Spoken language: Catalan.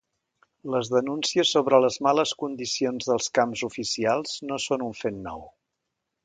Les denúncies sobre les males condicions dels camps oficials no són un fet nou.